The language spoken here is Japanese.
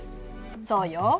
そうよ。